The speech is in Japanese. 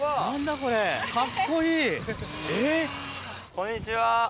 こんにちは。